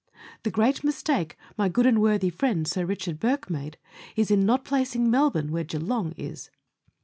The great mistake my good and worthy friend Sir Richard Bourke made is in not placing Melbourne where Geelong is.